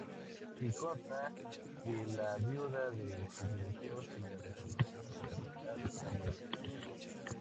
Sí consta que a la viuda del subdirector se le reconoció enfermedad laboral.